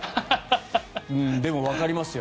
でもわかりますよ。